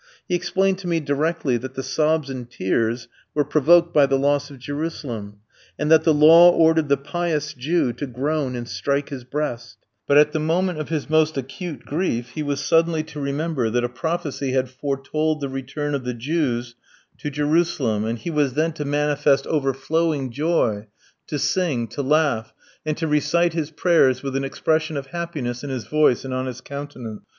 He explained to me directly that the sobs and tears were provoked by the loss of Jerusalem, and that the law ordered the pious Jew to groan and strike his breast; but at the moment of his most acute grief he was suddenly to remember that a prophecy had foretold the return of the Jews to Jerusalem, and he was then to manifest overflowing joy, to sing, to laugh, and to recite his prayers with an expression of happiness in his voice and on his countenance.